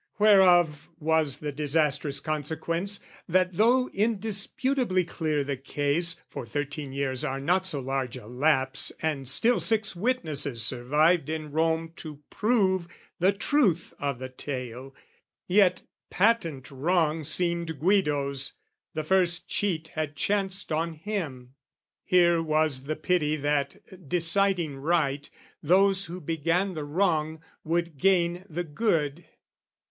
Whereof was the disastrous consequence, That though indisputably clear the case (For thirteen years are not so large a lapse, And still six witnesses survived in Rome To prove the truth o' the tale) yet, patent wrong Seemed Guido's; the first cheat had chanced on him: Here was the pity that, deciding right, Those who began the wrong would gain the good.